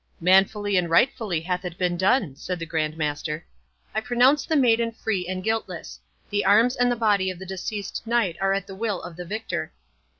"Manfully and rightfully hath it been done," said the Grand Master. "I pronounce the maiden free and guiltless—The arms and the body of the deceased knight are at the will of the victor."